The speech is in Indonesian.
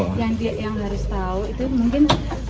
yang harus tahu itu mungkin